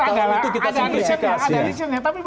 kalau itu kita simplifikasi